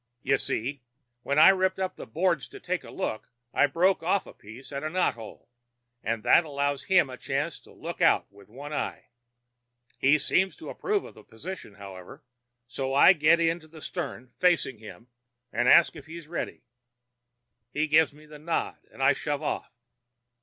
You see, when I ripped up the boards to take a look I broke off a piece at a knot hole, and that allows him a chance to look out with one eye. He seems to approve of the position, however, so I get in at the stern, facing him, and ask if he's ready. He gives me the nod, and I shove off.